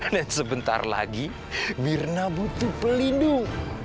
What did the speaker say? dan sebentar lagi mirna butuh pelindung